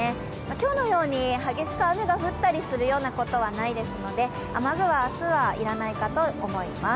今日のように激しく雨が降ったりするようなことはないですので雨具は明日は要らないかと思います。